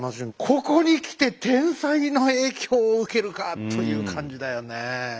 ここに来て天災の影響を受けるかという感じだよねえ。